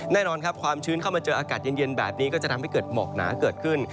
แน่นอนครับความชื้นเข้ามาเจออากาศเย็นแบบนี้ก็จะทำให้เกิดหมอกหนาเกิดขึ้น